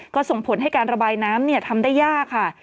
ก็ส่งผลให้การระบายน้ำทำได้ยากค่ะ